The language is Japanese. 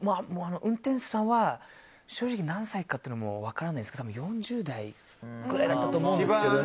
運転手さんは正直、何歳かというのも分からないですけど４０代くらいだったと思うんですけど。